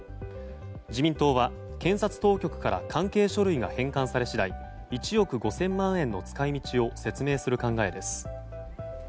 自民党は検察当局から関係書類が返還され次第１億５０００万円の使い道を説明する考えです。